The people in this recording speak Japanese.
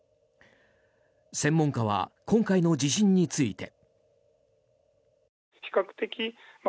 専門家は今回の地震について。